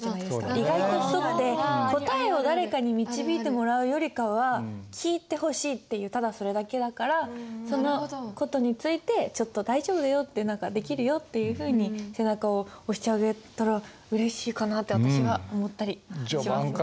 意外と人って答えを誰かに導いてもらうよりかは聞いてほしいっていうただそれだけだからその事についてちょっと「大丈夫だよできるよ」っていうふうに背中を押してあげたらうれしいかなって私は思ったりしますね。